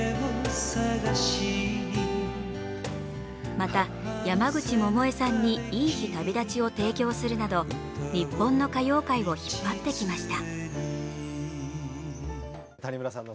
また、山口百恵さんに「いい日旅立ち」を提供するなど、日本の歌謡界を引っ張ってきました。